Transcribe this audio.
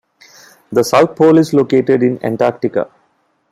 The South Pole is located in Antarctica.